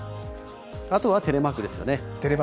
あとはテレマークですよね。